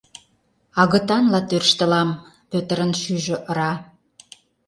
«Агытанла тӧрштылам?!» — Пӧтырын шӱйжӧ ыра.